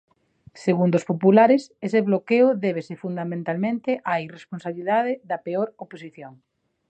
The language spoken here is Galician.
Segundo os populares, ese bloqueo débese fundamentalmente á "irresponsabilidade" da "peor oposición".